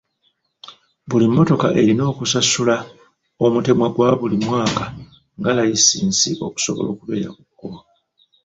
Buli mmotoka erina okusasula omutemwa gwa buli mwaka nga layisinsi okusobola okubeera ku kkubo.